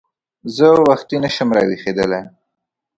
زه وختي نه شم راویښېدلی !